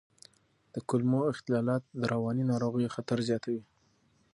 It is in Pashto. د کولمو اختلالات د رواني ناروغیو خطر زیاتوي.